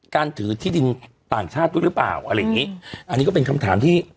การถือที่ดินต่างชาติด้วยหรือเปล่าอะไรอย่างงี้อันนี้ก็เป็นคำถามที่